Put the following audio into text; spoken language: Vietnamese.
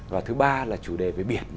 và thứ ba là chủ đề về biển